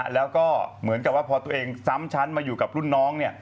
แล้วก็เหมือนกับว่าพอตัวเองซ้ำชั้นมาอยู่กับรุ่นน้อง